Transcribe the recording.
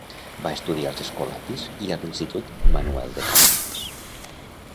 Va estudiar als escolapis i a l'institut Manuel de Cabanyes.